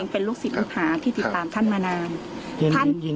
เป็นลูกศิษย์ลูกหาที่ติดตามท่านมานาน